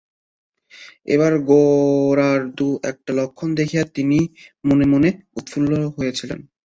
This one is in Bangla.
এবারে গোরার দু-একটা লক্ষণ দেখিয়া তিনি মনে মনে উৎফুল্ল হইয়াছিলেন।